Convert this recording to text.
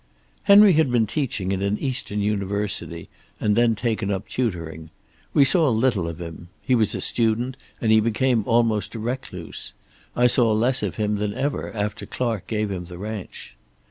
"Henry had been teaching in an Eastern university, and then taken up tutoring. We saw little of him. He was a student, and he became almost a recluse. I saw less of him than ever after Clark gave him the ranch.